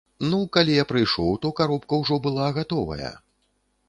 Ну, калі я прыйшоў, то каробка ўжо была гатовая.